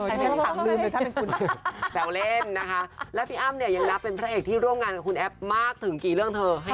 ฉันสั่งลืมเลยถ้าเป็นคุณแซวเล่นนะคะแล้วพี่อ้ำเนี่ยยังนับเป็นพระเอกที่ร่วมงานกับคุณแอฟมากถึงกี่เรื่องเธอ